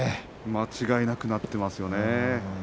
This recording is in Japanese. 間違いなく強くなっていますね。